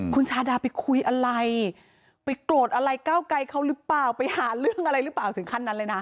คุณชาดาไปคุยอะไรไปโกรธอะไรก้าวไกลเขาหรือเปล่าไปหาเรื่องอะไรหรือเปล่าถึงขั้นนั้นเลยนะ